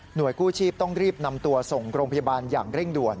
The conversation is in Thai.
โดยกู้ชีพต้องรีบนำตัวส่งโรงพยาบาลอย่างเร่งด่วน